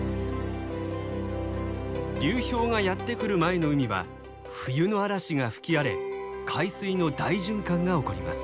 流氷がやって来る前の海は冬の嵐が吹き荒れ海水の大循環が起こります。